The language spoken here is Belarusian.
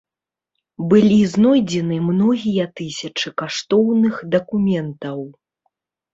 Былі знойдзены многія тысячы каштоўных дакументаў.